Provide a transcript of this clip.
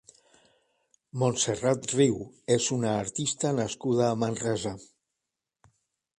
Montserrat Riu és una artista nascuda a Manresa.